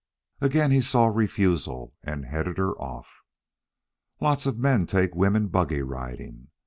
Agin he saw refusal, and headed her off. "Lots of men take women buggy riding.